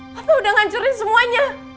papa udah ngancurin semuanya